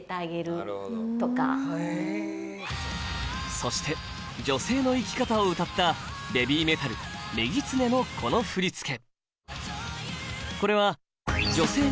そして女性の生き方を歌ったＢＡＢＹＭＥＴＡＬの『メギツネ』のこの振り付け